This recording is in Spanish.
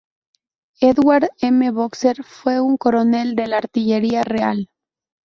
Edward M. Boxer fue un coronel de la Artillería Real.